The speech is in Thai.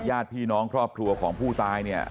ญาติพี่น้องครอบครัวของผู้ตายเนี่ย